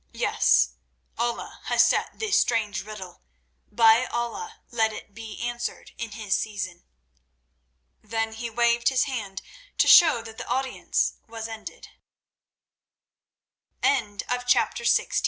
Yes, Allah has set this strange riddle; by Allah let it be answered in His season." Then he waved his hand to show that the audience was ended. Chapter XVII.